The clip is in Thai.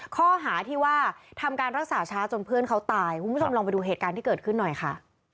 ข้อหาที่ว่าทำการรักษาช้าจนเพื่อนเขาตายคุณผู้ชมลองไปดูเหตุการณ์ที่เกิดขึ้นหน่อยค่ะ